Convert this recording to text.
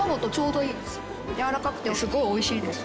やわらかくてすごいおいしいです。